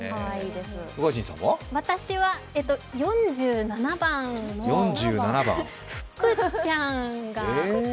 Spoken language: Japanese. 私は４７番のふくちゃんが。